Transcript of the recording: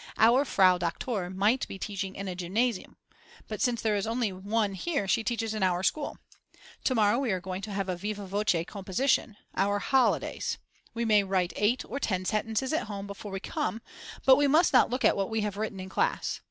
Our Frau Doktor might be teaching in a Gymnasium, but since there is only one here she teaches in our school. To morrow we are going to have a viva voce composition: Our Holidays. We may write 8 or 10 sentences at home before we come, but we must not look at what we have written in class.